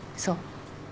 そう。